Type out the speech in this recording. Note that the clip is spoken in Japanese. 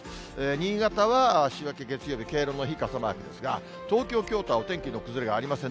新潟は週明け月曜日、敬老の日、傘マークですが、東京、京都はお天気の崩れがありません。